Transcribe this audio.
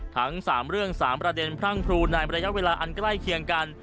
ทั้ง๓เรื่อง๓ประเด็นพรั่งพรูในระยะเวลาอันใกล้เคียงกัน